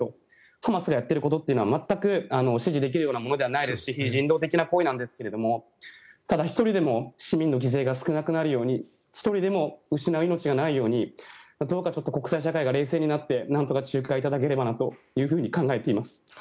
ハマスがやっていることは全く支持できるようなものではないですし非人道的な行為なんですがただ、１人でも市民の犠牲が少なくなるように１人でも失う命がないように国際社会が冷静になってなんとか仲介いただければなと考えています。